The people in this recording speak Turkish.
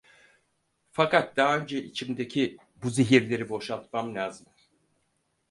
Fakat daha önce içimdeki bu zehirleri boşaltmam lazım.